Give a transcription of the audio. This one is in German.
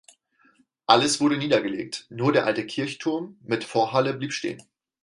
Alles wurde niedergelegt, nur der alte Kirchturm mit Vorhalle blieb bestehen.